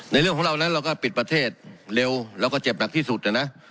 เรื่องของเรานั้นเราก็ปิดประเทศเร็วเราก็เจ็บหนักที่สุดนะ